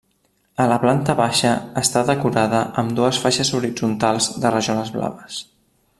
A la planta baixa està decorada amb dues faixes horitzontals de rajoles blaves.